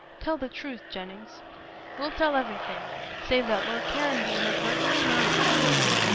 Tell the truth, Jennings." "We'll tell everything, save that Lord Caranby inadvertently murdered that woman.